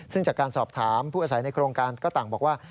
ซึ่งจากการสอบถามผู้อาศัยในโครงการก็ต่างบอกว่า